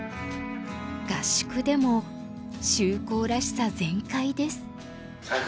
合宿でも秀行らしさ全開です。